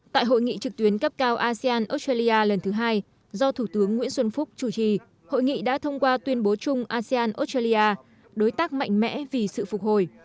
tại hội nghị trực tuyến cấp cao asean australia lần thứ hai do thủ tướng nguyễn xuân phúc chủ trì hội nghị đã thông qua tuyên bố chung asean australia đối tác mạnh mẽ vì sự phục hồi